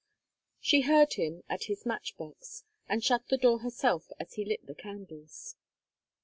She heard him at his match box, and shut the door herself as he lit the candles.